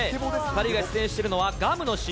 ２人が出演しているのは、ガムのＣＭ。